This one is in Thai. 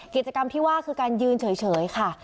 กิจกรรมที่ว่าคือการยืนเฉยค่ะ